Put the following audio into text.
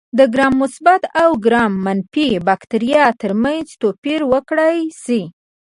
د ګرام مثبت او ګرام منفي بکټریا ترمنځ توپیر وکړای شي.